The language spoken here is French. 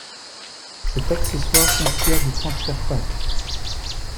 Cet accessoire s'inspire du Transfer Pak.